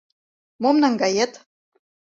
Мом наҥгает?